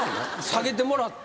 下げてもらって。